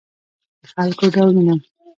د خلکو ډولونه